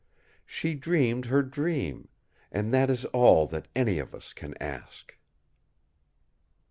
She dreamed her dream; and that is all that any of us can ask!"